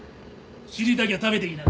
知りたきゃ食べていきな！